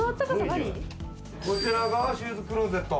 こちらがシューズクローゼット。